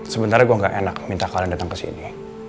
sebenernya gue gak enak minta kalian datang kesini